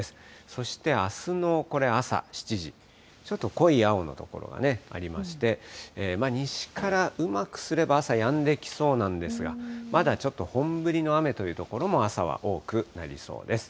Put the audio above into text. そしてあすのこれ、朝７時、ちょっと濃い雨の所がありまして、西からうまくすれば朝やんできそうなんですが、まだちょっと本降りの雨という所も、朝は多くなりそうです。